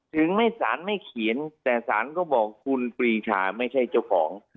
ถึงไม่สารไม่เขียนแต่สารก็บอกคุณปรีชาไม่ใช่เจ้าของ